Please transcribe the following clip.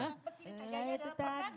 pertanyaannya itu tadi